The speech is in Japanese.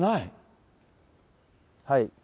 はい。